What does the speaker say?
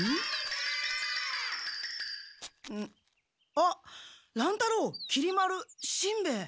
あっ乱太郎きり丸しんべヱ。